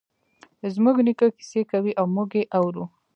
زموږ نیکه کیسې کوی او موږ یی اورو